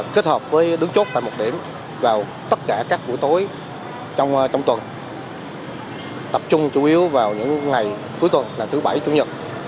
kết hợp với đứng chốt tại một điểm vào tất cả các buổi tối trong tuần tập trung chủ yếu vào những ngày cuối tuần và thứ bảy chủ nhật